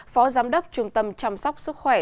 phó giám đốc trung tâm chăm sóc sức khỏe